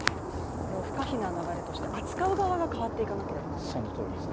それは不可避な流れとして扱う側が変わっていかなければならないんですね。